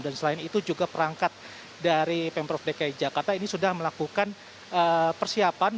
dan selain itu juga perangkat dari pemprov dki jakarta ini sudah melakukan persiapan